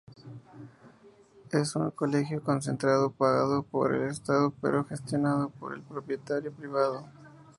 Es un colegio concertado, pagado por el estado pero gestionado por el propietario privado.